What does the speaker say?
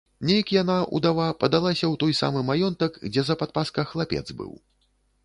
Нейк яна, удава, падалася ў той самы маёнтак, дзе за падпаска хлапец быў.